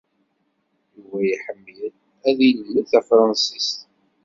Yuba iḥemmel ad yelmed tafransist.